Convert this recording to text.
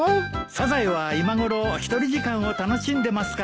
サザエは今ごろ一人時間を楽しんでますかね。